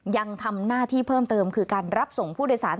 ยังทำหน้าที่เพิ่มเติมคือการรับส่งผู้โดยสาร